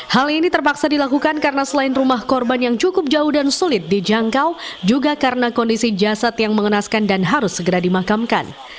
hal ini terpaksa dilakukan karena selain rumah korban yang cukup jauh dan sulit dijangkau juga karena kondisi jasad yang mengenaskan dan harus segera dimakamkan